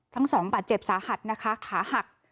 ทั้งสองบาดเจ็บสาหัสนะคะขาหัก